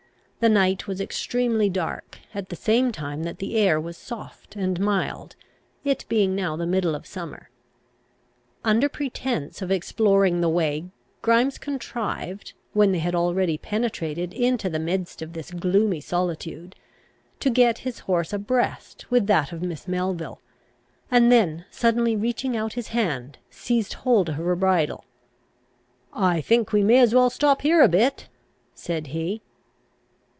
The night was extremely dark, at the same time that the air was soft and mild, it being now the middle of summer. Under pretence of exploring the way, Grimes contrived, when they had already penetrated into the midst of this gloomy solitude, to get his horse abreast with that of Miss Melville, and then, suddenly reaching out his hand, seized hold of her bridle. "I think we may as well stop here a bit," said he.